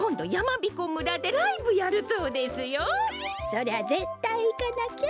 そりゃぜったいいかなきゃ。